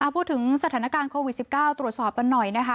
พูดถึงสถานการณ์โควิด๑๙ตรวจสอบกันหน่อยนะคะ